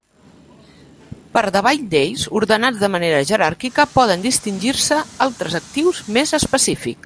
Per davall d'ells, ordenats de manera jeràrquica, poden distingir-se altres actius més específics.